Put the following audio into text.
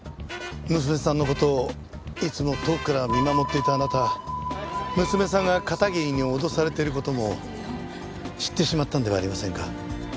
娘さんの事をいつも遠くから見守っていたあなたは娘さんが片桐に脅されている事も知ってしまったのではありませんか？